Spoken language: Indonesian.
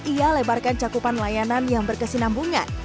ia lebarkan cakupan layanan yang berkesinambungan